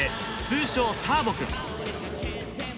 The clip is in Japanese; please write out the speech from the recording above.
通称ターボくん。